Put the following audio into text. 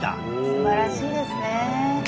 すばらしいですね。